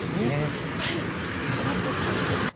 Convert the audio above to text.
いっぱいそろってたという。